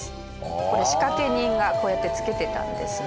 これ仕掛け人がこうやってつけてたんですね。